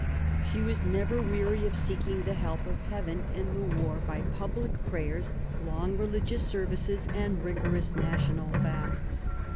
She was never weary of seeking the help of heaven in the war by public prayers, long • religious services, and rigorous national fasts.